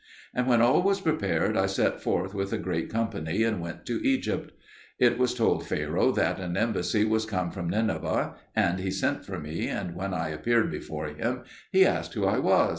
And when all was prepared, I set forth with a great company and went to Egypt. It was told Pharaoh that an embassy was come from Nineveh, and he sent for me, and when I appeared before him he asked who I was.